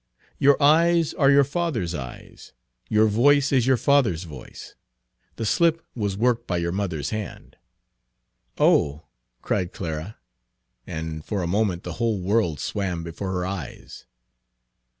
Your eyes are your father's eyes, your voice is your father's voice. The slip was worked by your mother's hand." "Oh!" cried Clara, and for a moment the whole world swam before her eyes.